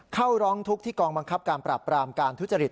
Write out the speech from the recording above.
เข้าร้องทุกข์ที่กองบังคับการปราบปรามการทุจริต